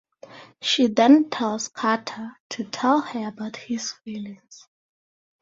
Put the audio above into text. She then tells Carter to "tell her" about his feelings.